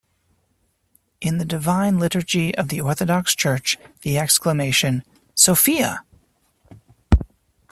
In the Divine Liturgy of the Orthodox Church, the exclamation "Sophia!